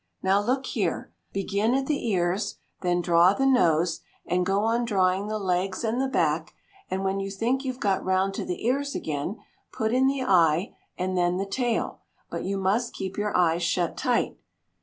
"Now look here: begin at the ears, then draw the nose, and go on drawing the legs and the back, and when you think you've got round to the ears again, put in the eye, and then the tail; but you must keep your eyes shut tight."